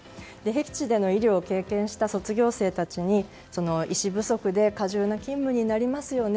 僻地での医療を経験した卒業生たちに医師不足で過重な勤務になりますよね。